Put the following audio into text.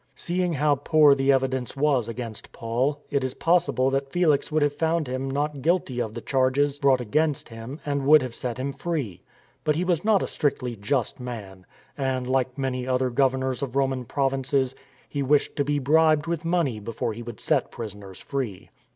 Seeing how poor the evidence was against Paul, it is possible that Felix would have found him " not guilty " of the charges brought against him and would have set him free. But he was not a strictly just man, and, like many other governors of Roman provinces, he wished to be bribed with money before he would set prisoners free.